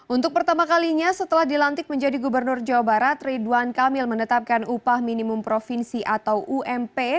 untuk pertama kalinya setelah dilantik menjadi gubernur jawa barat ridwan kamil menetapkan upah minimum provinsi atau ump